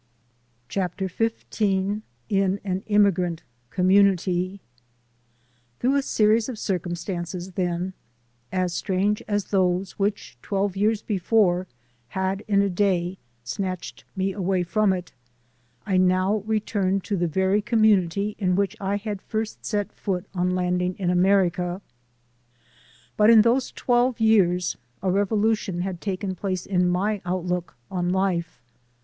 CHAPTER XV IN AN IMMIGRANT COMMUNITY THROUGH a series of circumstances, then, as strange as those which twelve years before had in a day snatched me away from it, I now returned to the very community in which I had first set foot on landing in America. But in those twelve years a revolution had taken place in my outlook on life.